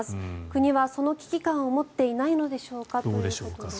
国はその危機感を持っていないのでしょうかということです。